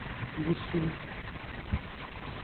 Busu.